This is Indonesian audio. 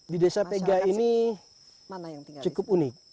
di desa pega ini cukup unik